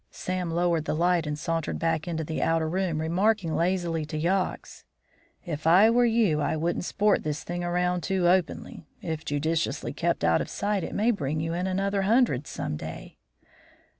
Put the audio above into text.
Sam lowered the light and sauntered back into the outer room, remarking lazily to Yox: "If I were you I wouldn't sport this thing around too openly. If judiciously kept out of sight it may bring you in another hundred some day."